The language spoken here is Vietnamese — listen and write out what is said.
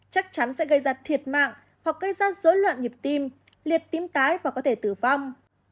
chắc chắn sẽ gây ra thiệt mạng hoặc gây ra dối loạn nhịp tim liệt tím tái và có thể tử vong